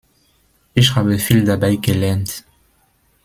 Ich habe viel dabei gelernt.